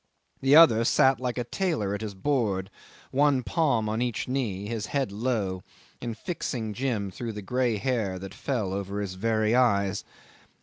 The other sat like a tailor at his board, one palm on each knee, his head low, and fixing Jim through the grey hair that fell over his very eyes.